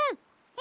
え！？